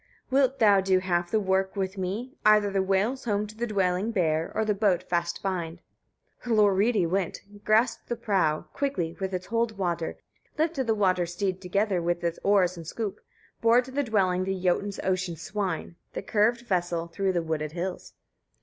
26. "Wilt thou do half the work with me, either the whales home to the dwelling bear, or the boat fast bind?" 27. Hlorridi went, grasped the prow, quickly, with its hold water, lifted the water steed, together with its oars and scoop; bore to the dwelling the Jotun's ocean swine, the curved vessel, through the wooded hills.